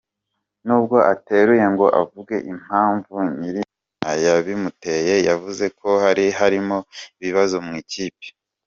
Nubwo ateruye ngo avuge impamvu nyirizina zabimuteye yavuze ko hari harimo ibibazo mu ikipe.